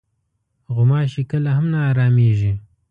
غوماشې کله هم نه ارامېږي.